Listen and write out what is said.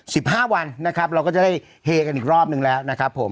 สิบห้าวันนะครับเราก็จะได้เฮกันอีกรอบนึงแล้วนะครับผม